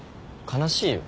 悲しいよ。